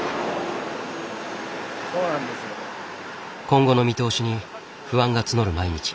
今後の見通しに不安が募る毎日。